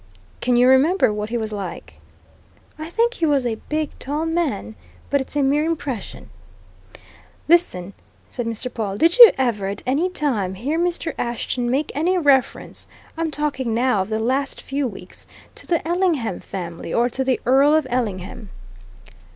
"Can you remember what he was like?" "I think he was a big, tall man but it's a mere impression." "Listen!" said Mr. Pawle. "Did you ever, at any time, hear Mr. Ashton make any reference I'm talking now of the last few weeks to the Ellingham family, or to the Earl of Ellingham?"